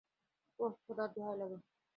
ওহ, খোদা দোহাই লাগে।